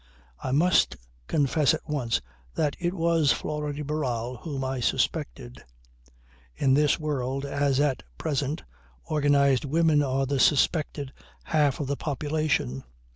I must confess at once that it was Flora de Barral whom I suspected. In this world as at present organized women are the suspected half of the population.